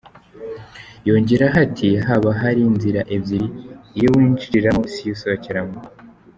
Yongeraho ati “haba hari inzira ebyiri, iyo winjiraramo si yo usohokeramo.